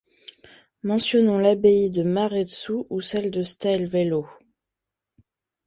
Mentionnons l'abbaye de Maredsous ou celle de Stavelot.